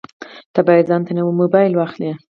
ته باید ځانته نوی مبایل واخلې